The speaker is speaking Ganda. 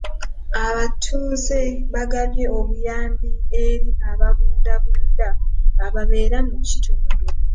Abatuuze baagabye obuyambi eri ababundabunda ababeera mu kitundu.